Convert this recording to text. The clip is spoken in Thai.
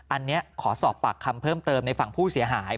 อันนี้ขอสอบปากคำเพิ่มเติมในฝั่งผู้เสียหาย